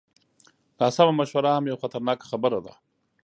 ناسمه مشوره هم یوه خطرناکه خبره ده.